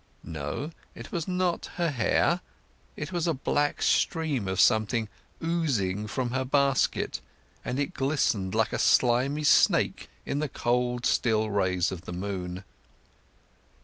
No; it was not her hair: it was a black stream of something oozing from her basket, and it glistened like a slimy snake in the cold still rays of the moon.